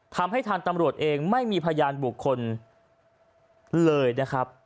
ทางตำรวจเองไม่มีพยานบุคคลเลยนะครับ